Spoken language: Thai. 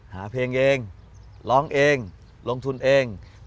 หาเพลงเองร้องเองลงทุนเอง